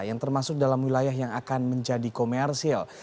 yang termasuk dalam wilayah yang akan menjadi komersil